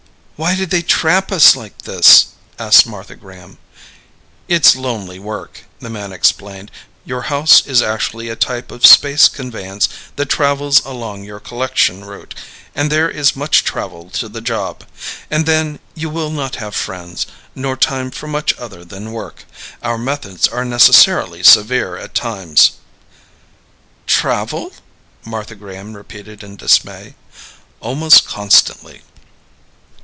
"Why did they trap us like this?" asked Martha Graham. "It's lonely work," the man explained. "Your house is actually a type of space conveyance that travels along your collection route and there is much travel to the job. And then you will not have friends, nor time for much other than work. Our methods are necessarily severe at times." "Travel?" Martha Graham repeated in dismay. "Almost constantly."